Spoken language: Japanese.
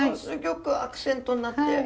くアクセントになって。